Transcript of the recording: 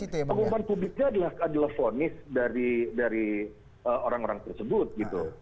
ya itu kan pengumuman publiknya adalah telefonis dari orang orang tersebut gitu